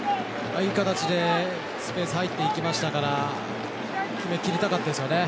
いい形でスペースに入っていきましたから決めきりたかったですよね。